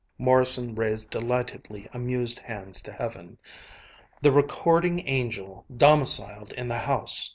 Morrison raised delightedly amused hands to heaven. "The Recording Angel domiciled in the house!"